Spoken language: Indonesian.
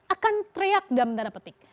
akan teriak dalam tanda petik